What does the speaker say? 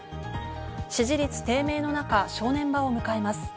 支持率低迷の中、正念場を迎えます。